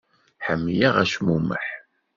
Ḥemmleɣ acmumeḥ.